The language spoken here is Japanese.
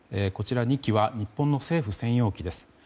こちら２機は日本の政府専用機です。